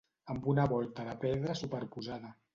Amb una volta de pedra superposada.